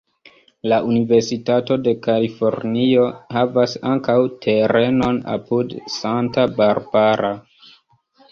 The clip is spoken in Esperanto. La Universitato de Kalifornio havas ankaŭ terenon apud Santa Barbara.